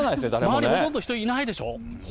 周りほとんど、人、いないでしょ。